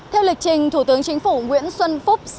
theo lịch trình thủ tướng chính phủ nguyễn xuân phúc